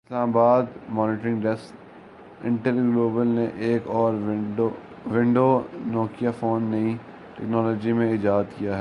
اسلام آباد monitoring desk Intel global نے ایک اور ونڈو نوکیا فون نئی ٹیکنالوجی میں ایجاد کیا ہے